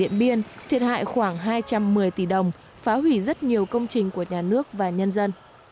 điện biên là nơi có hai đứt gãy lớn chạy qua khu vực sơn la sông mã chạy qua khu vực sơn la sông mã